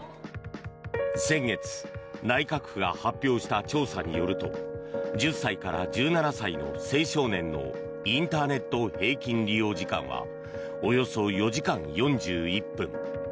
先月、内閣府が発表した調査によると１０歳から１７歳の青少年のインターネット平均利用時間はおよそ４時間４１分。